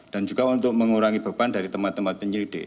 dan juga untuk mengurangi beban dari teman teman penyelidik